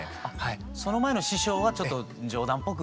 その前の師匠はちょっと冗談っぽく。